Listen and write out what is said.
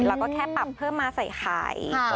แล้วก็แค่ปรับเพิ่มมาใส่ไข่